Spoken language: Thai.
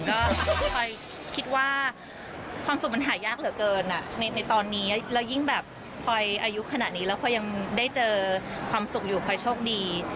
ก็พลอยคิดว่าความสุขมันหายากเหลือเกินในตอนนี้แล้วยิ่งแบบพลอยอายุขนาดนี้แล้วพลอยยังได้เจอความสุขอยู่พลอยโชคดี